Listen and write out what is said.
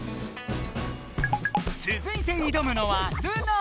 つづいていどむのはルナ！